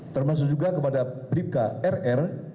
termasuk juga kepada bkrr